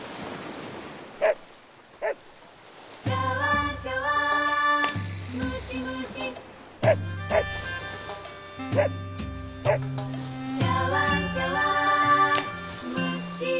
「ちゃわんちゃわんむしむし」「ちゃわんちゃわんむし」